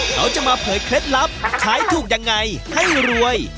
เขาจะมาเผยเคล็ดลับขายถูกยังไงให้รวย